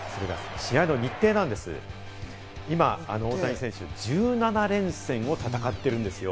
試合の日程なんですけど、今、大谷選手１７連戦を戦っているんですよ。